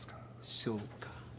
そうか。